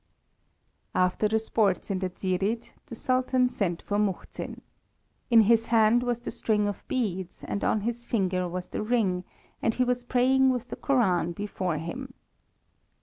After the sports in the Dzsirid, the Sultan sent for Muhzin. In his hand was the string of beads, and on his finger was the ring, and he was praying with the Koran before him.